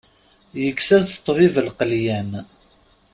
Yekkes-as-d ṭṭbib lqelyan.